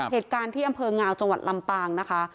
เหตุการณ์ที่อำเภองาวจังหวัดลำปางนะคะ